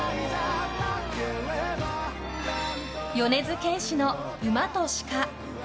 米津玄師の「馬と鹿」。